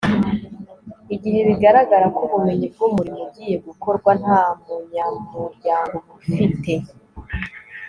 igihe bigaragara ko ubumenyi bw'umurimo ugiye gukorwa nta munyamuryango ubufite